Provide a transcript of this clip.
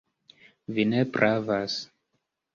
Vi ne pravas.